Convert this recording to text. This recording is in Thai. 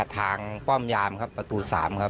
ทางป้อมยามครับประตู๓